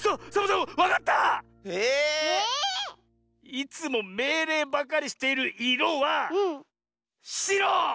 いつもめいれいばかりしているいろはしろ！